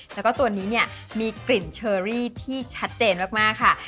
แล้วก็ตัวนี้เนี่ยมีกลิ่นเชอรี่ที่ชัดเจนมากค่ะ